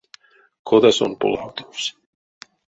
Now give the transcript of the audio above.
Кода сон полавтовсь!